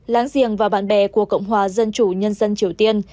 láng giềng và bạn bè của cộng hòa dân chủ nhân dân triều tiên